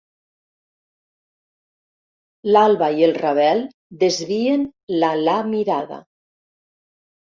L'Alva i el Ravel desvien la la mirada.